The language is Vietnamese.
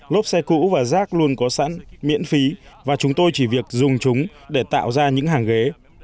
lốp xe cũ và rác luôn có sẵn miễn phí và chúng tôi chỉ việc dùng chúng để tạo ra những hàng ghế